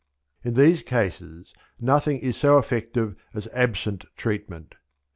In these cases nothing is so effective as absent treatment.